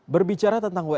berbicara tentang wsb